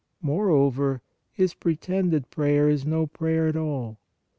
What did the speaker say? Moreover, his pretended prayer is no prayer at all.